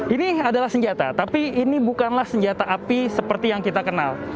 ini adalah senjata tapi ini bukanlah senjata api seperti yang kita kenal